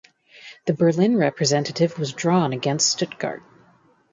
The Berlin representative was drawn against Stuttgart.